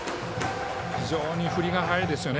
非常に振りが速いですね。